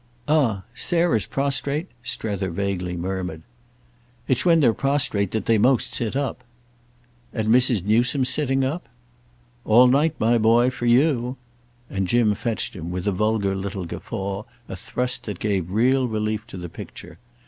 "Ah Sarah's prostrate?" Strether vaguely murmured. "It's when they're prostrate that they most sit up." "And Mrs. Newsome's sitting up?" "All night, my boy—for you!" And Jim fetched him, with a vulgar little guffaw, a thrust that gave relief to the picture.